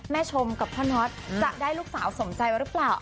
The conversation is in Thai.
แม่ชมจะได้ลูกสาวสมใจว่ารึเปล่า